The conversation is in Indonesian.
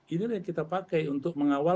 inilah yang kita pakai untuk mengawal